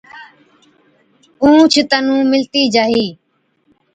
اُونهچ تنُون مِلتِي جاهِي۔